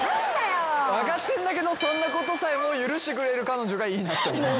分かってんだけどそんなことさえも許してくれる彼女がいいなと。